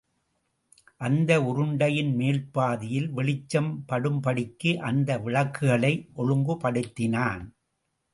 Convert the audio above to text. அந்த உருண்டையின் மேல்பாதியில் வெளிச்சம் படும்படிக்கு அந்த விளக்குகளை ஒழுங்குபடுத்தினான்.